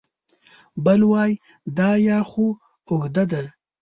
بل وای دا یا خو اوږده ده